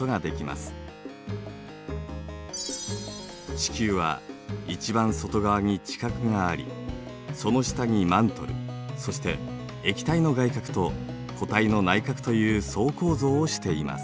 地球は一番外側に地殻がありその下にマントルそして液体の外核と固体の内核という層構造をしています。